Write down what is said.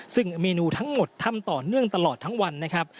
ซึ่งเมนูทั้งหมดทำต่อเนื่องตลอดทั้งวันนะครับ